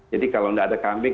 jadi kalau tidak ada kambing